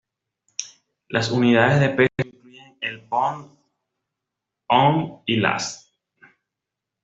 Las unidades de peso incluyeron el "pond", ons y "last".